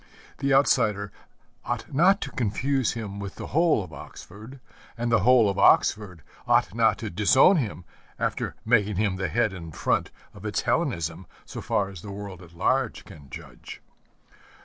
The outsider ought not to confuse him with the whole of Oxford, and the whole of Oxford ought not to disown him after making him the head and front of its Hellenism so far as the world at large can judge.